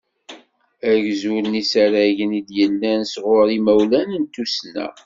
Agzul n yisaragen i d-yellan s ɣur yimawlan n tussna.